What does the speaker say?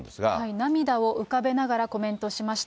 涙を浮かべながらコメントしました。